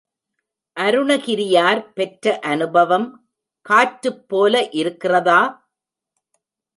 அருணகிரியார் பெற்ற அநுபவம் காற்றுப் போல இருக்கிறதா?